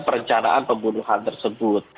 perencanaan pembunuhan tersebut